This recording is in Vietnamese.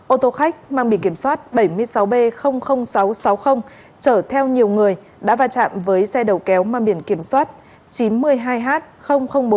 ô tô khách mang biển kiểm soát bảy mươi sáu b sáu trăm sáu mươi chở theo nhiều người đã va chạm với xe đầu kéo mang biển kiểm soát chín mươi hai h bốn mươi